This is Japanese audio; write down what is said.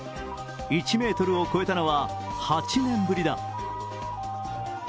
１ｍを超えたのは、８年ぶりだ。